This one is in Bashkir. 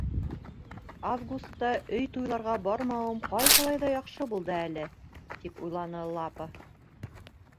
— Августа өй туйларға бармауым ҡайһылай ҙа яҡшы булды әле, — тип уйланы Лапа.